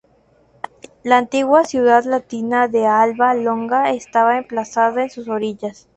La antigua ciudad latina de Alba Longa estaba emplazada en sus orillas.